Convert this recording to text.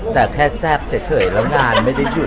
แต่แค่แซ่บเฉยแล้วงานไม่ได้หยุด